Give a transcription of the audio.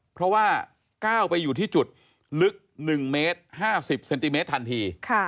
เพราะว่าก้าวไปอยู่ที่จุดลึก๑เมตร๕๐เซนติเมตรทันที